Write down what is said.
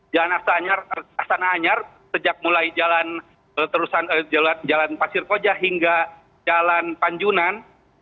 jalan astana anyar sejak mulai jalan pasir koja hingga jalan panjunan